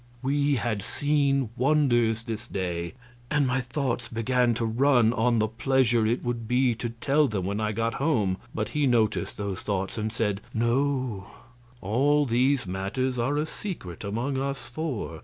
We had seen wonders this day; and my thoughts began to run on the pleasure it would be to tell them when I got home, but he noticed those thoughts, and said: "No, all these matters are a secret among us four.